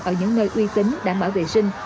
ở những nơi uy tín đảm bảo vệ sinh